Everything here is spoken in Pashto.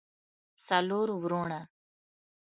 څلور وروڼه